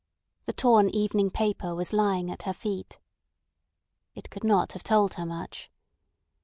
The torn evening paper was lying at her feet. It could not have told her much.